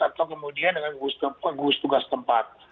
atau kemudian dengan gugus tugas tempat